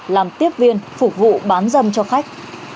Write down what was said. làm tiếp viên phục vụ bán dâm cho khách